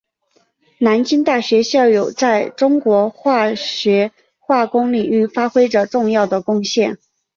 南京大学校友在中国化学化工领域发挥着重要的贡献。